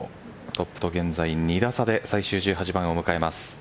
トップと現在２打差で最終１８番を迎えます。